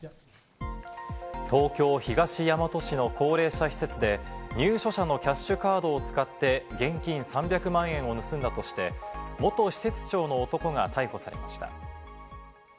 東京・東大和市の高齢者施設で入所者のキャッシュカードを使って現金３００万円を盗んだとして元施設長の男が逮捕されました。